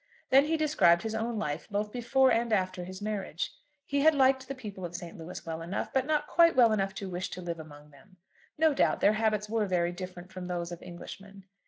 Then he described his own life, both before and after his marriage. He had liked the people of St. Louis well enough, but not quite well enough to wish to live among them. No doubt their habits were very different from those of Englishmen.